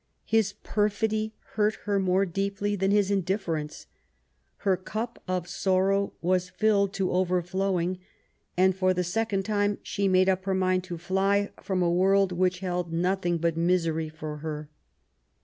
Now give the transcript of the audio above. His perfidy hurt her more deeply than his indifference. Her cup of sorrow was filled to overflowing, and for the second time she made up her mind to fly from a world which held nothing but misery for her.